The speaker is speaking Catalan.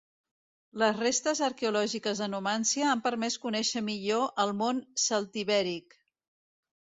Les restes arqueològiques de Numància han permès conèixer millor el món celtibèric.